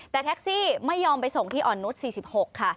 แต่แท็กซี่ไม่ยอมไปส่งที่อ่อนนุษย์๔๖ค่ะ